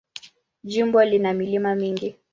Jimbo lina milima mingi.